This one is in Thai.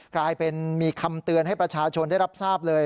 กลายเป็นมีคำเตือนให้ประชาชนได้รับทราบเลย